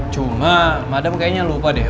cuma madam kayaknya lupa deh